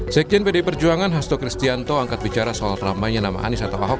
sekjen pdi perjuangan hasto kristianto angkat bicara soal ramainya nama anies atau ahok